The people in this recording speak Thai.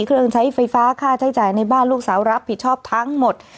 เครื่องใช้ไฟฟ้าค่าใช้จ่ายในบ้านลูกสาวรับผิดชอบทั้งหมด